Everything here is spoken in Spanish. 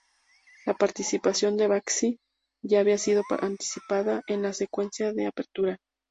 La participación de Banksy ya había sido anticipada en la secuencia de apertura.